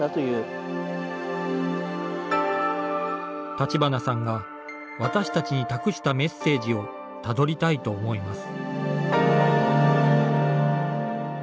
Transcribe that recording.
立花さんが私たちに託したメッセージをたどりたいと思います。